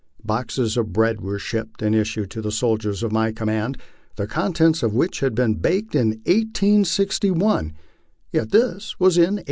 Boxes of bread were shipped and issued to the soldiers of my command, the contents of which had been baked in 1861, yet this was in 1867.